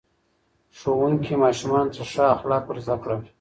ښوونکي ماشومانو ته ښه اخلاق ور زده کړل.